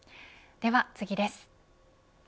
では次です。